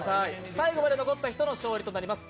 最後まで残った人の勝利となります。